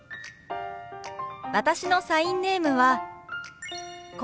私のサインネームはこうです。